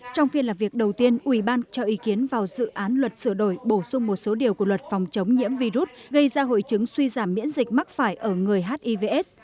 trong phiên làm việc đầu tiên ủy ban cho ý kiến vào dự án luật sửa đổi bổ sung một số điều của luật phòng chống nhiễm virus gây ra hội chứng suy giảm miễn dịch mắc phải ở người hivs